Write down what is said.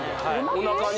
おなかに？